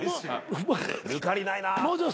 抜かりないなぁ。